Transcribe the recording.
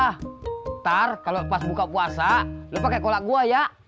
ntar kalau pas buka puasa lo pakai kolak gue ya